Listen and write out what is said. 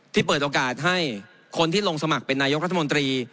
เปิดโอกาสให้คนที่ลงสมัครเป็นนายกรัฐมนตรี